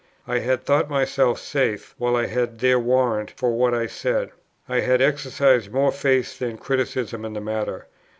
I had thought myself safe, while I had their warrant for what I said. I had exercised more faith than criticism in the matter.